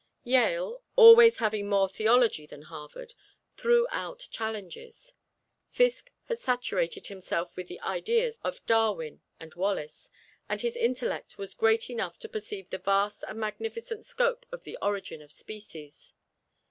Yale, always having more theology than Harvard, threw out challenges. Fiske had saturated himself with the ideas of Darwin and Wallace, and his intellect was great enough to perceive the vast and magnificent scope of "The Origin of Species."